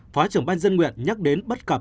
phó trưởng ban dân nguyện nhắc đến bất cập